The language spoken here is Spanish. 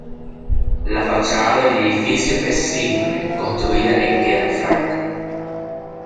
La fachada del edificio es simple, construida en piedra franca.